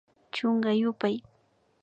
Chunka yupay